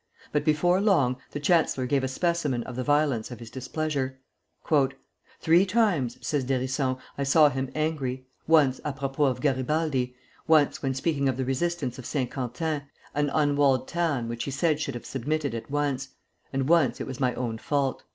But before long the chancellor gave a specimen of the violence of his displeasure. "Three times," says d'Hérisson, "I saw him angry, once à propos of Garibaldi; once when speaking of the resistance of St. Quentin, an unwalled town, which he said should have submitted at once; and once it was my own fault."